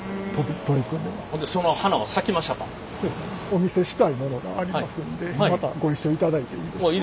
お見せしたいものがありますんでまたご一緒いただいていいですか？